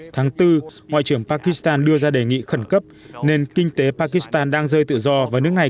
tháng bốn ngoại trưởng pakistan đưa ra đề nghị khẩn cấp nên kinh tế pakistan đang rơi tự do và nước này